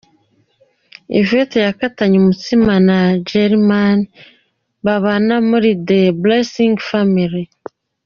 Yvette yakatanye umutsima na Germain babana muri The Blessing Family.